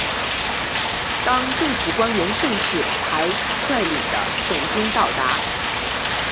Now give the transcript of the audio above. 当政府官员盛世才率领的省军到达。